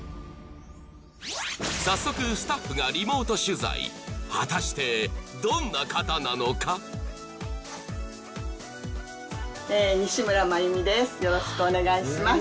早速スタッフがリモート取材果たしてどんな方なのか西邨マユミです